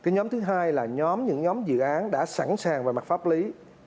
nhóm thứ hai là nhóm những nhóm dự án đã sẵn sàng về mặt pháp lý